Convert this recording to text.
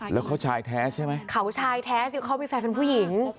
แล้วเขาชายแท้ใช่ไหมเขาชายแท้สิเขามีแฟนเป็นผู้หญิง